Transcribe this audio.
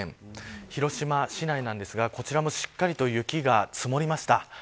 広島市内ですがしっかりと雪が積もりました。